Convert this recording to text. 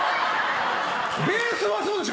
ベースはそうでしょ。